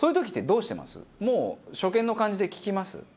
もう初見の感じで聞きます？